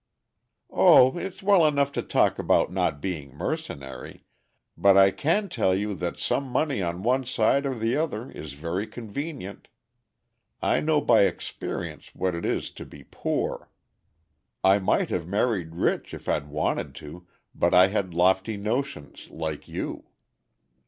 "Oh! it's well enough to talk about not being mercenary, but I can tell you that some money on one side or the other is very convenient. I know by experience what it is to be poor. I might have married rich if I'd wanted to, but I had lofty notions like you."